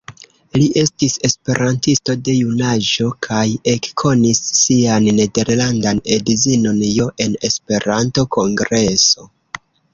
Li estis esperantisto de junaĝo kaj ekkonis sian nederlandan edzinon Jo en Esperanto-kongreso.